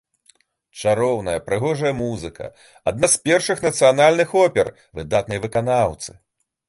Чароўная прыгожая музыка, адна з першых нацыянальных опер, выдатныя выканаўцы.